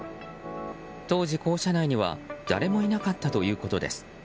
当時、校舎内には誰もいなかったということです。